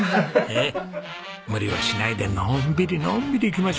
ねえ無理をしないでのんびりのんびり行きましょう。